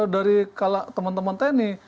dari teman teman tni